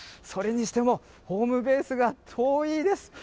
それにしても、ホームベースが遠いです。